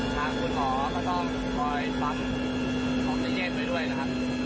ทางคุณหมอก็ต้องคอยปักออกใจเย็นไว้ด้วยนะครับ